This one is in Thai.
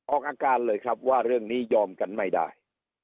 ออกอาการเลยครับว่าเรื่องนี้ยอมกันไม่ได้